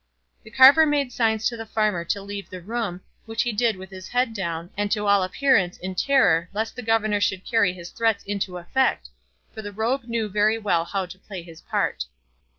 The carver made signs to the farmer to leave the room, which he did with his head down, and to all appearance in terror lest the governor should carry his threats into effect, for the rogue knew very well how to play his part.